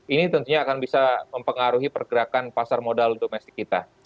ini tentunya akan bisa mempengaruhi pergerakan pasar modal domestik kita